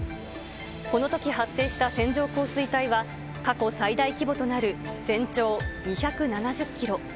このとき発生した線状降水帯は過去最大規模となる全長２７０キロ。